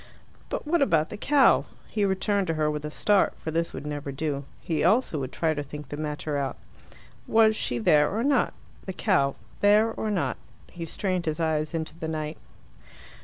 But what about the cow? He returned to her with a start, for this would never do. He also would try to think the matter out. Was she there or not? The cow. There or not. He strained his eyes into the night.